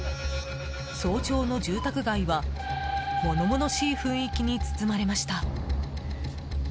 早朝の住宅街は物々しい雰囲気に包まれました。